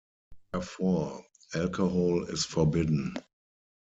Therefore, alcohol is forbidden.